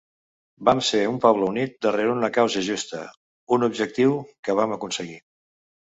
Vam ser un poble unit darrere una causa justa, un objectiu, que vam aconseguir.